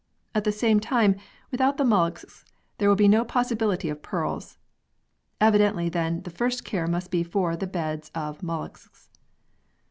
At the same time, without the molluscs there will be no possibility of pearls. Evidently then, the first care must be for the beds of molluscs.